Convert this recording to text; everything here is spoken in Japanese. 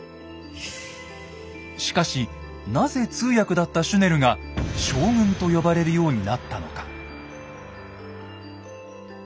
しかしなぜ通訳だったシュネルが「将軍」と呼ばれるようになったのか。